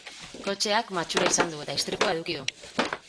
Kotxeak matxura izan du, eta istripua eduki du.